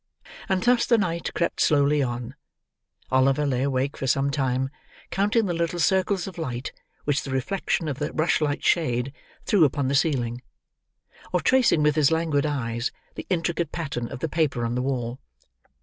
And thus the night crept slowly on. Oliver lay awake for some time, counting the little circles of light which the reflection of the rushlight shade threw upon the ceiling; or tracing with his languid eyes the intricate pattern of the paper on the wall.